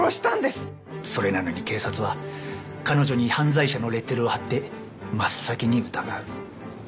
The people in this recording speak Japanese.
それなのに警察は彼女に犯罪者のレッテルを貼って真っ先に疑う。